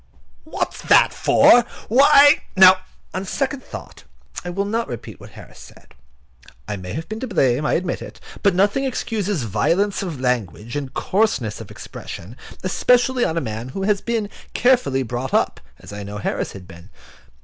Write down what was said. "What's that for? Why—" No, on second thoughts, I will not repeat what Harris said. I may have been to blame, I admit it; but nothing excuses violence of language and coarseness of expression, especially in a man who has been carefully brought up, as I know Harris has been.